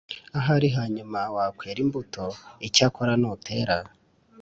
ahari hanyuma wakwera imbuto Icyakora nutera